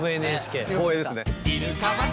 光栄ですね。